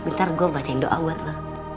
ntar gue bacain doa buat lu